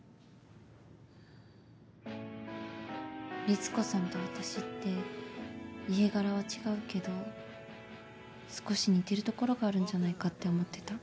リツコさんと私って家柄は違うけど少し似てるところがあるんじゃないかって思ってた。